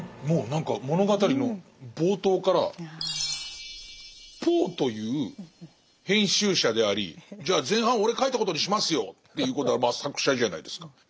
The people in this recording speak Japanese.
もう何か物語の冒頭からポーという編集者でありじゃあ前半俺書いたことにしますよということはまあ作者じゃないですか。